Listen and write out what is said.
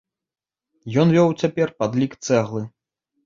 Ён вёў цяпер падлік цэглы.